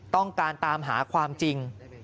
ต้องการตามหาความจริง